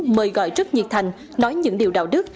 mời gọi rất nhiệt thành nói những điều đạo đức